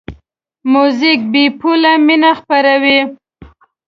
موزیک بېپوله مینه خپروي.